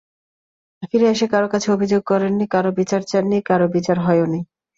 ফিরে এসে কারও কাছে অভিযোগ করেননি, কারও বিচার চাননি, কারও বিচার হয়ওনি।